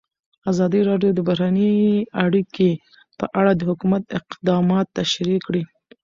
ازادي راډیو د بهرنۍ اړیکې په اړه د حکومت اقدامات تشریح کړي.